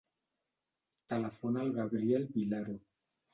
Telefona al Gabriel Vilaro.